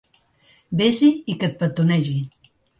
Ves- hi i que et petonegi.